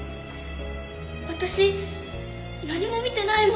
私何も見てないもん。